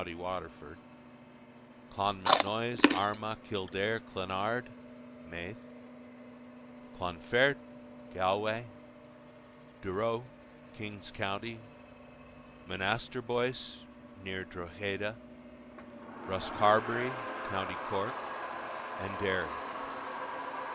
Waterford), Clonmacnoise, Armagh, Kildare, Clonard (Meath), Clonfert (Galway), Durrow (King's Co.), Monasterboice (near Drogheda), Rosscarbery (Co. Cork), and Derry.